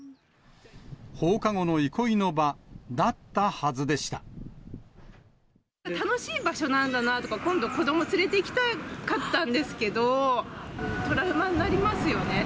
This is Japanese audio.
放課後の憩いの場だったはず楽しい場所なんだなとか、今度、子ども連れていきたかったんですけど、トラウマになりますよね。